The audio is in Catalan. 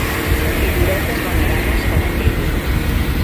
Figuretes venerades per en Billy.